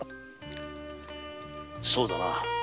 そうだな。